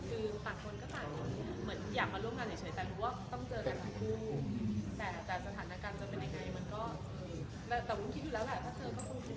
ถึงอยากคนร่วมกันเฉยแต่รู้ว่าถึงต้องเจอกันกันทั้งคู่